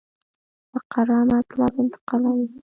فقره مطلب انتقالوي.